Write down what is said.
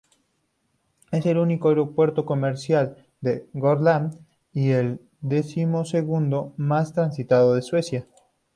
Es el único aeropuerto comercial de Gotland y el decimosegundo más transitado de Suecia.